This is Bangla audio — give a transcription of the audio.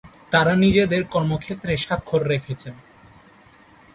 তারা নিজেদের কর্মক্ষেত্রে স্বাক্ষর রেখেছেন।